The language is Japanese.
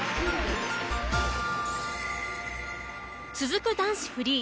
続く男子フリー。